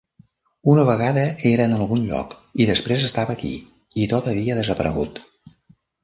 Una vegada era en algun lloc i després estava aquí, i tot havia desaparegut.